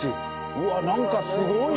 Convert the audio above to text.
うわなんかすごいね。